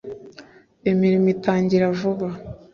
imirimo itangira vuba.